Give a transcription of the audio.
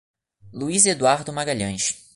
Luís Eduardo Magalhães